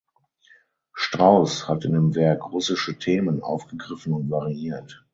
Strauss hat in dem Werk russische Themen aufgegriffen und variiert.